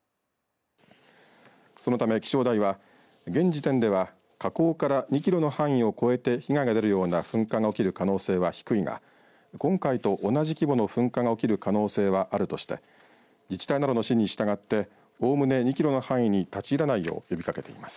そのため気象台は現時点では火口から２キロの範囲を超えて被害が出るような噴火が起きる可能性は低いが今回と同じ規模の噴火が起きる可能性はあるとして自治体などの指示に従っておおむね２キロの範囲に立ち入らないよう呼びかけています。